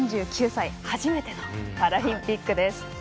４９歳、初めてのパラリンピック。